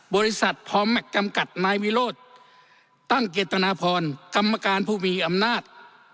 บริษัทพอแมคจำกัดนายวิโรธตั้งเกตนาพรกรรมการผู้มีอำนาจ